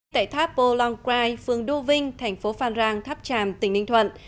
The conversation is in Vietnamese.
tại tháp bô long grai phương đô vinh thành phố phan rang tháp tràm tỉnh ninh thuận